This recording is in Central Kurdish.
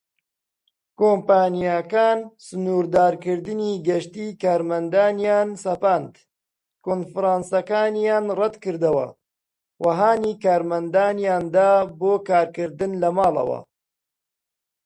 کۆمپانیاکان سنوردارکردنی گەشتی کارمەندانیان سەپاند، کۆنفرانسەکانیان ڕەتکردەوە، و هانی کارمەندانیاندا بۆ کارکردن لە ماڵەوە.